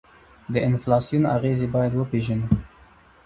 د انفلاسیون اغیزې باید وپیژنو.